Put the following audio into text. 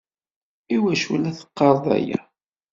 I wacu i la teqqareḍ aya?